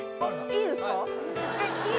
いいですか？